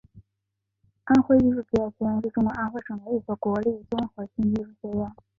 安徽艺术职业学院是中国安徽省的一所国立综合性艺术学院。